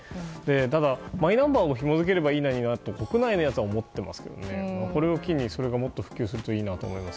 ただ、マイナンバーカードも紐づければいいのかなとか国内ならと思ってますけどこれを機に、それがもっと普及するといいなと思います。